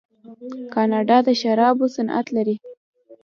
کاناډا د شرابو صنعت لري.